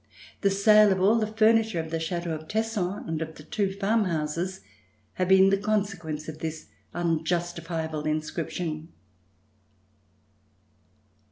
The sale of all the furniture of the Chateau of Tesson and of two farm houses had been the consequence of this unjustifiable inscription.